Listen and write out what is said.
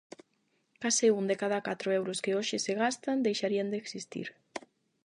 Case un de cada catro euros que hoxe se gastan deixarían de existir.